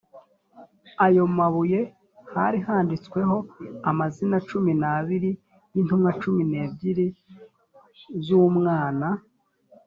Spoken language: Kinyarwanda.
ayo mabuye hari handitsweho amazina cumi n abiri y intumwa cumi n ebyiri l z umwana